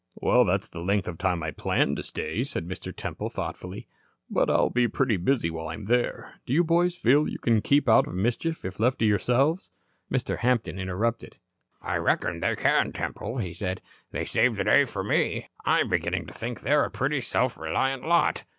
"Well, that's the length of time I planned to stay," said Mr. Temple, thoughtfully. "But I'll be pretty busy while I'm there. Do you boys feel you can keep out of mischief if left to yourselves?" Mr. Hampton interrupted. "I reckon they can, Temple," he said. "They saved the day for me. I'm beginning to think they are a pretty self reliant lot.